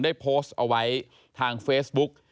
ได้โพสต์เอาไว้ทางเฟซบุ๊ก